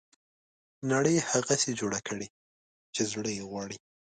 نړۍ هغسې جوړه کړي چې زړه یې غواړي.